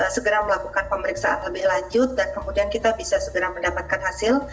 segera melakukan pemeriksaan lebih lanjut dan kemudian kita bisa segera mendapatkan hasil